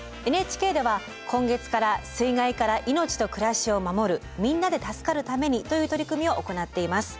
ＮＨＫでは今月から「水害から命と暮らしを守るみんなで助かるために」という取り組みを行っています。